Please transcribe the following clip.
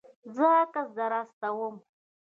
زه عکس در استوم